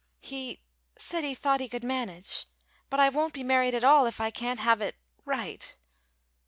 "He said he thought he could manage. But I won't be married at all if I can't have it right."